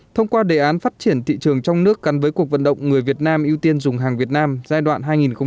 thông qua đề án phát triển thị trường trong nước gắn với cuộc vận động người việt nam ưu tiên dùng hàng việt nam giai đoạn hai nghìn một mươi bốn hai nghìn hai mươi